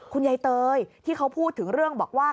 เตยที่เขาพูดถึงเรื่องบอกว่า